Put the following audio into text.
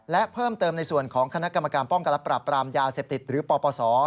และเพิ่มเติมในส่วนของคณะกรรมการป้องกันและปรับปรามยาเสพติดหรือปปศ